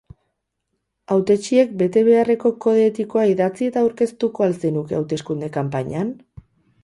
Hautetsiek bete beharreko kode etikoa idatzi eta aurkeztuko al zenuke hauteskunde-kanpainan?